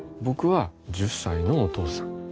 僕は１０歳のお父さん。